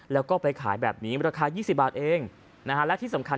แล้วก็ไปขายแบบนี้ราคา๒๐บาทเองนะฮะและที่สำคัญ